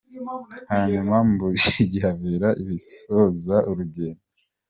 Hanyuma mu Bubiligi habere ibisoza urugendo.